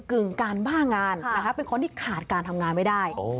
กึ่งการบ้างานเป็นคนที่ขาดการทำงานไม่ได้